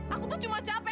aku tuh cuma capek